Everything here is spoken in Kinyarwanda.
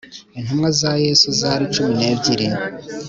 intumwa za yesu zari cumi nebyiri